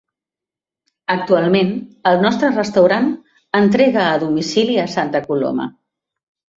Actualment el nostre restaurant entrega a domicili a Santa Coloma.